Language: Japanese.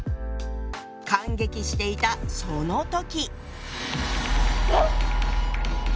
感激していたその時。